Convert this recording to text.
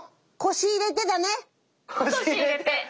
腰を入れてだね。